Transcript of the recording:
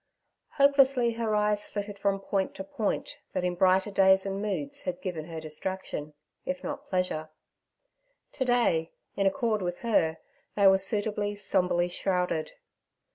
Hopelessly her eyes flitted from point to point that in brighter days and moods had given her distraction, if not pleasure. To day, in accord with her, they were suitably, sombrely shrouded.